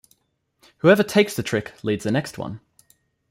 Whoever takes the trick leads the next one.